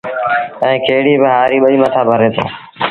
ائيٚݩ کيڙيٚ با هآريٚ ٻئيٚ مٿآ ڀري دو